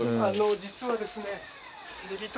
あの実はですね